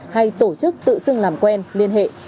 hay tổ chức tự xưng làm quen liên hệ